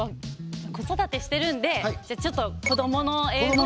子育てしてるんでじゃあちょっと子どもの映像で。